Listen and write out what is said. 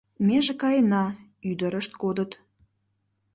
Меже каена — ӱдырышт кодыт.